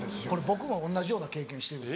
僕も同じような経験して。